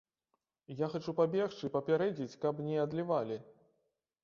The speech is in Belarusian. Я хачу пабегчы, папярэдзіць, каб не адлівалі.